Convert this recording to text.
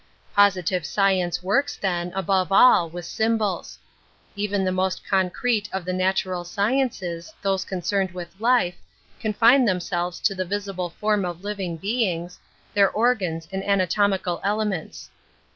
Positive science works, then, above all, with symbols. Even the most concrete of the natural sciences, those concerned with life, confine themfielves to the visible form of living beings, their organs and anatomical elements.